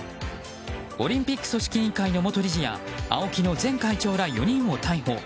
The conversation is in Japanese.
オリンピック組織委員会の元理事やＡＯＫＩの前会長ら４人を逮捕。